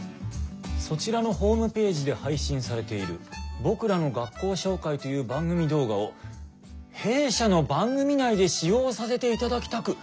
「そちらのホームページで配信されている『僕らの学校紹介』という番組動画を弊社の番組内で使用させていただきたく」。